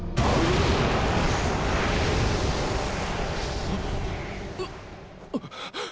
うっあっ。